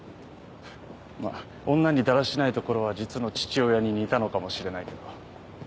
ふっまあ女にだらしないところは実の父親に似たのかもしれないけど。